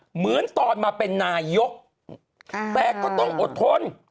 เหมือนตอนมาเป็นนายกแต่ก็ต้องอดทน